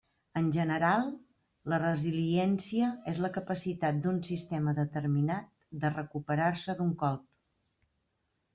En general, la resiliència és la capacitat d'un sistema determinat de recuperar-se d'un colp.